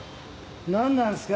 何なんすか？